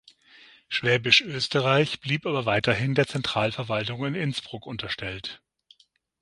Schwäbisch-Österreich blieb aber weiterhin der Zentralverwaltung in Innsbruck unterstellt.